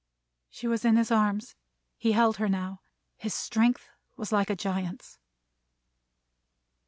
She was in his arms. He held her now. His strength was like a giant's.